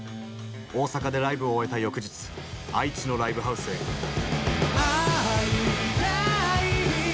大阪でライブを終えた翌日愛知のライブハウスへ。